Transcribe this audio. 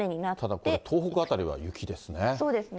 ただこれ、東北辺りは雪ですね。